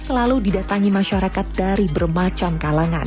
selalu didatangi masyarakat dari bermacam kalangan